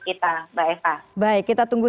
kita mbak eva baik kita tunggu